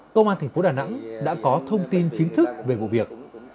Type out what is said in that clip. công an tp đà nẵng đã có thông tin chính thức về vụ việc